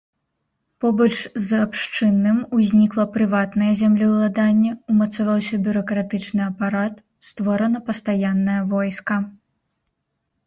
Побач з абшчынным узнікла прыватнае землеўладанне, умацаваўся бюракратычны апарат, створана пастаяннае войска.